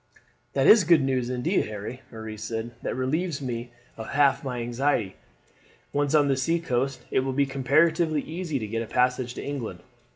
"That is good news, indeed, Harry," Marie said. "That relieves me of half my anxiety. Once on the sea coast it will be comparatively easy to get a passage to England.